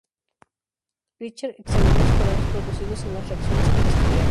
Richter examinó los colores producidos en las reacciones que se estudiaron.